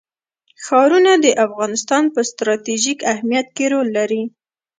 ښارونه د افغانستان په ستراتیژیک اهمیت کې رول لري.